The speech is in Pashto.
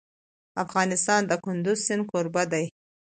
افغانستان د کندز سیند کوربه دی.